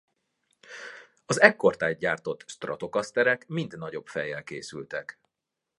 Az ekkortájt gyártott Stratocasterek mind nagyobb fejjel készültek.